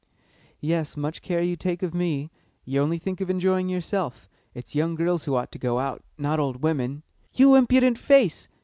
"Yes, much care you take of me. You only think of enjoying yourself. It's young girls who ought to go out, not old women." "You impudent face!"